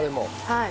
はい。